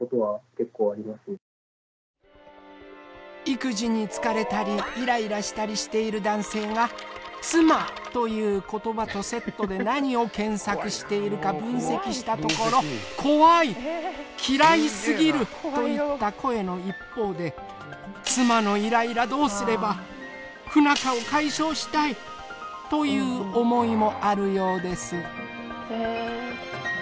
育児に疲れたりイライラしたりしている男性が妻という言葉とセットで何を検索しているか分析したところ怖い嫌いすぎるといった声の一方で妻のイライラどうすれば不仲を解消したいという思いもあるようです。